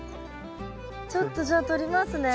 ちょっとじゃあ取りますね。